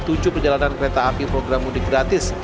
tujuh perjalanan kereta api program mudik gratis